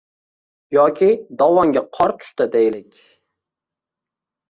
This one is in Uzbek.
Yoki dovonga qor tushdi, deylik.